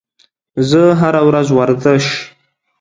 زه هره ورځ ورزش